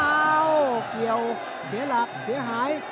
อ้าวเกี่ยวเสียหลักเสียหาย